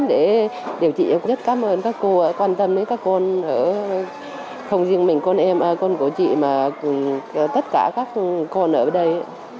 để điều trị rất cảm ơn các cô quan tâm đến các con không riêng mình con em con của chị mà tất cả các con ở đây